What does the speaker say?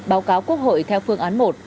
báo cáo quốc hội theo phương án một